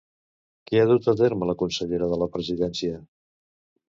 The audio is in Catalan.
Què ha dut a terme la consellera de la Presidència?